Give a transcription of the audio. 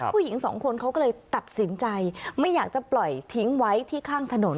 ผู้หญิงสองคนเขาก็เลยตัดสินใจไม่อยากจะปล่อยทิ้งไว้ที่ข้างถนน